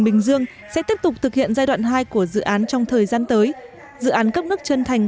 bình dương sẽ tiếp tục thực hiện giai đoạn hai của dự án trong thời gian tới dự án cấp nước chân thành